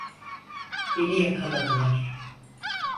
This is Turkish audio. Beni yakaladılar.